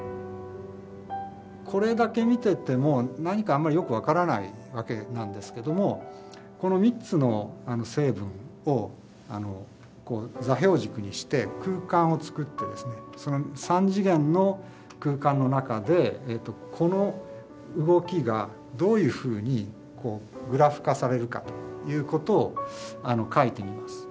これだけ見てても何かあんまりよく分からないわけなんですけどもこの３つの成分を座標軸にして空間を作ってですね三次元の空間の中でこの動きがどういうふうにグラフ化されるかということを書いてみます。